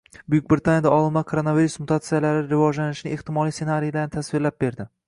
Buyuk Britaniyada olimlar koronavirus mutatsiyalari rivojlanishining ehtimoliy ssenariylarini tasvirlab berdi